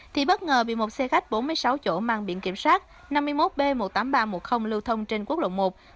thì bất ngờ bị một xe khách bốn mươi sáu chỗ mang biển kiểm soát năm mươi một b một mươi tám nghìn ba trăm một mươi lưu thông trên quốc lộ một